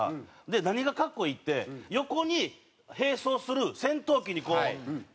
何が格好いいって横に並走する戦闘機にこう。